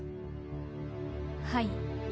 はい。